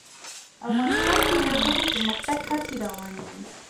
افغانستان کې د ژبو د پرمختګ هڅې روانې دي.